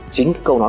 chính câu nói